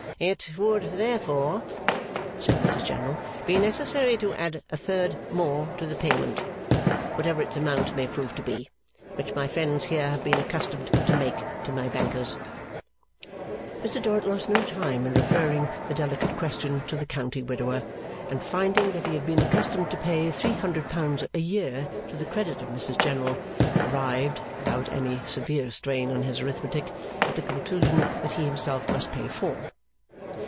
'It would therefore,' said Mrs General, 'be necessary to add a third more to the payment (whatever its amount may prove to be), which my friends here have been accustomed to make to my bankers'.' Mr Dorrit lost no time in referring the delicate question to the county widower, and finding that he had been accustomed to pay three hundred pounds a year to the credit of Mrs General, arrived, without any severe strain on his arithmetic, at the conclusion that he himself must pay four.